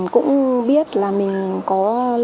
cũng biết là mình có